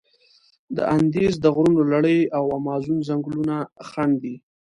د اندیز د غرونو لړي او امازون ځنګلونه خنډ دي.